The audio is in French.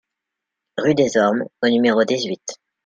Rue des Ormes au numéro dix-huit